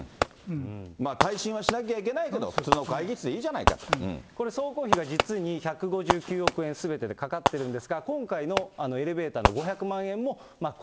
耐震はしなきゃいけないけど、これ、総工費が実に１５９億円、すべてでかかってるんですが、今回のエレベーターの５００万円